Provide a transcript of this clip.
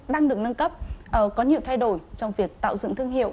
đang được nâng cấp có nhiều thay đổi trong việc tạo dựng thương hiệu